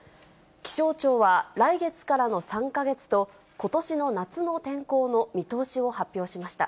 気象庁は、来月からの３か月とことしの夏の天候の見通しを発表しました。